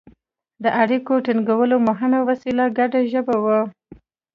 د اړیکو ټینګولو مهمه وسیله ګډه ژبه وه